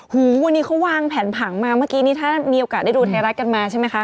หูวันนี้เขาวางแผนผังมาเมื่อกี้นี่ถ้ามีโอกาสได้ดูไทยรัฐกันมาใช่ไหมคะ